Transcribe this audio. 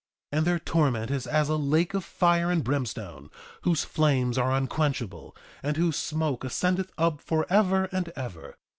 3:27 And their torment is as a lake of fire and brimstone, whose flames are unquenchable, and whose smoke ascendeth up forever and ever.